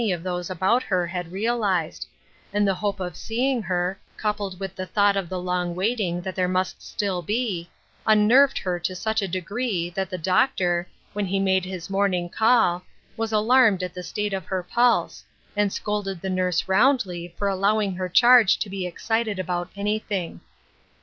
of those about her had realized, and the hope of seeing her, coupled with the thought of the long waiting that there must still be, unnerved her to such a degree that the doctor, when he made his morning call, was alarmed at the state of her pulse, and scolded the nurse roundly for allowing her charge to be excited about anything.